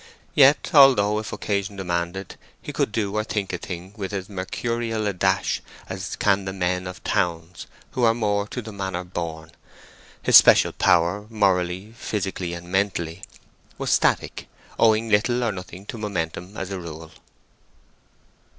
Yet, although if occasion demanded he could do or think a thing with as mercurial a dash as can the men of towns who are more to the manner born, his special power, morally, physically, and mentally, was static, owing little or nothing to momentum as a rule.